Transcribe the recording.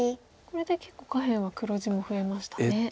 これで結構下辺は黒地も増えましたね。